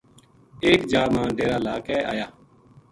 ایک جا ما ڈیر ا لے کے لایا